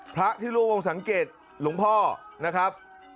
พระที่ร่วมวงสังเกตหลวงพ่อนะครับ